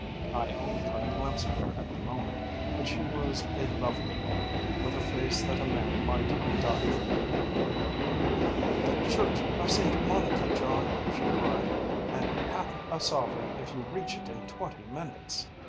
I only caught a glimpse of her at the moment, but she was a lovely woman, with a face that a man might die for. ‚Äú‚ÄėThe Church of St. Monica, John,’ she cried, ‚Äėand half a sovereign if you reach it in twenty minutes.